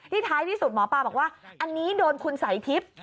ท้ายที่สุดหมอปลาบอกว่าอันนี้โดนคุณสายทิพย์